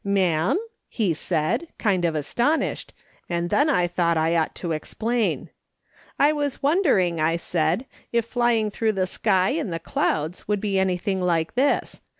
"' Ma'am ?' he said, kind of astonished, and then I thought I ought to explain. ' I was wondering,' I said, 'if flying through the sky, and the clouds, would be anything like this.